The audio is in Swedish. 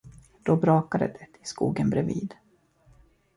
Då brakade det i skogen bredvid.